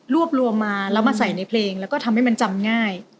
รวมมาแล้วมาใส่ในเพลงแล้วก็ทำให้มันจำง่าย